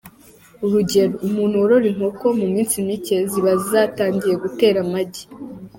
Urugero, umuntu worora inkoko mu minsi micye ziba zatangiye gutera amagi.